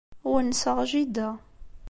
Wennseɣ jida.